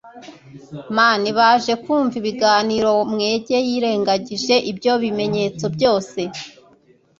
man baje kumva ibiganiro. nwege yirengagije ibyo bimenyetso byose